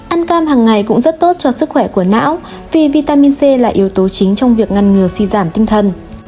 ăn cam hàng ngày cũng rất tốt cho sức khỏe của não vì vitamin c là yếu tố chính trong việc ngăn ngừa suy giảm tinh thần